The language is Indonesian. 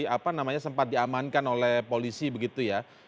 apa namanya sempat diamankan oleh polisi begitu ya